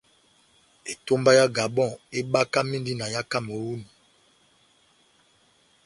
Etomba yá Gabon ebakamindi na yá Kameruni.